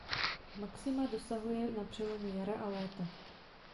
Maxima dosahuje na přelomu jara a léta.